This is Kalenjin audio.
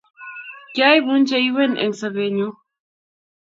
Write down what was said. Kyabun chewien eng sobennyu